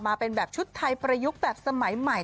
เป็นแบบชุดไทยประยุกต์แบบสมัยใหม่